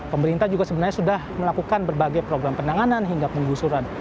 pemerintah juga sebenarnya sudah melakukan berbagai program penanganan hingga penggusuran